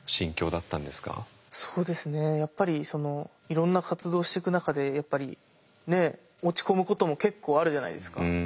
そうですねやっぱりいろんな活動していく中でやっぱりねえ落ち込むことも結構あるじゃないですか。